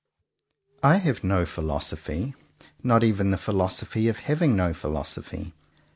42 IV I HAVE no Philosophy; not even the Philosophy of having no Philosophy.